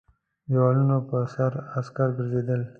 د دېوالونو پر سر عسکر ګرځېدل.